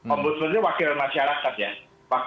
ombudsman itu wakil masyarakat ya